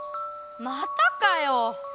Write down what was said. またかよ？